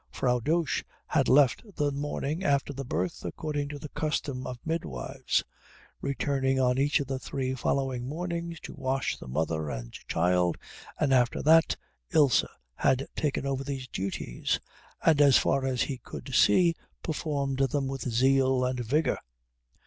Frau Dosch had left the morning after the birth according to the custom of midwives, returning on each of the three following mornings to wash the mother and child, and after that Ilse had taken over these duties, and as far as he could see performed them with zeal and vigour.